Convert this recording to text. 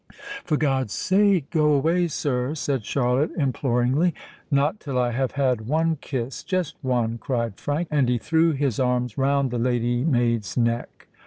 "For God's sake, go away, sir," said Charlotte imploringly. "Not till I have had one kiss—just one," cried Frank; and he threw his arms round the lady's maid's neck.